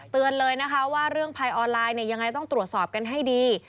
เตือนเลยนะคะว่าเรื่องภัยออนไลน์เนี่ยยังไงต้องตรวจสอบกันให้ดี